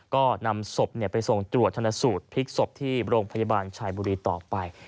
ก็นำศพไปส่งตรวจธนสูตรพลิกศพที่โรงพยาบาลชายบุรีต่อไป